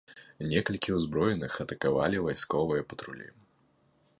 Некалькі ўзброеных атакавалі вайсковыя патрулі.